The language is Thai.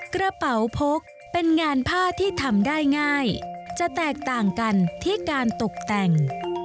กระเป๋าพกเป็นงานผ้าที่ทำได้ง่ายจะแตกต่างกันที่การตกแต่ง